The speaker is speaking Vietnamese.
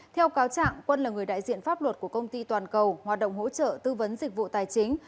theo cáo trạng quân là người đại diện pháp luật của công ty toàn cầu hoạt động hỗ trợ tư vấn dịch vụ tài chính